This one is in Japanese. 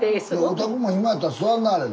お宅も暇やったら座んなはれな。